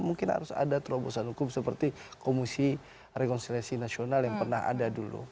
mungkin harus ada terobosan hukum seperti komisi rekonsiliasi nasional yang pernah ada dulu